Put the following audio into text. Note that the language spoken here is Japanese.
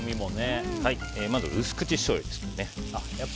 まず、薄口しょうゆです。